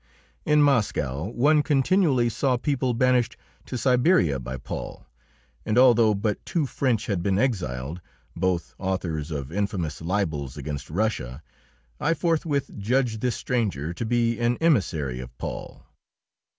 In Moscow one continually saw people banished to Siberia by Paul, and although but two French had been exiled both authors of infamous libels against Russia I forthwith judged this stranger to be an emissary of Paul.